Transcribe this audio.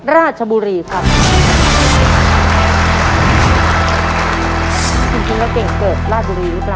ราชบุรีครับ